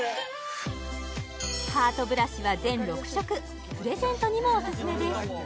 ハートブラシは全６色プレゼントにもオススメです